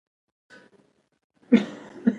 ډبره سخته ده.